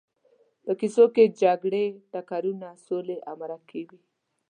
په کیسو کې جګړې، ټکرونه، سولې او مرکې وي.